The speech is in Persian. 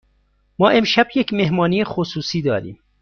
ما امشب یک مهمانی خصوصی داریم.